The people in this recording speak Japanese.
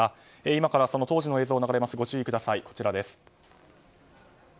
今から当時の映像が流れますご注意ください。